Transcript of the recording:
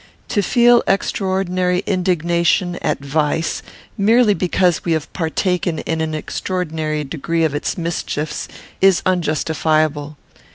To feel extraordinary indignation at vice, merely because we have partaken in an extraordinary degree of its mischiefs, is unjustifiable.